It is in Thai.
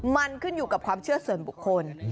มันขึ้นอยู่กับความเชื่อส่วนบุคคล